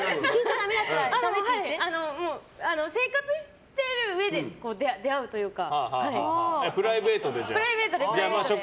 生活しているうえで出会うというか。